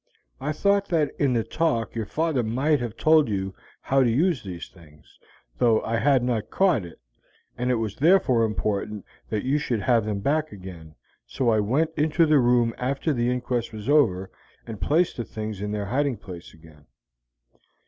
I thought that in the talk your father might have told you how to use these things, though I had not caught it, and it was therefore important that you should have them back again, so I went into the room after the inquest was over, and placed the things in their hiding place again.